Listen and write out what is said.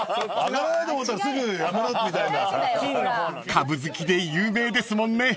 ［株好きで有名ですもんね］